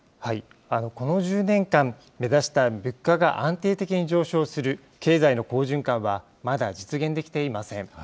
この１０年間目指した、物価が安定的に上昇する経済の好循環は、まだ実現できていません。